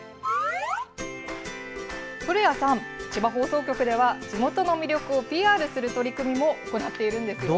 古谷さん、千葉放送局では地元の魅力をＰＲする取り組みも行っているんですよ。